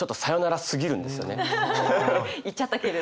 言っちゃったけれども。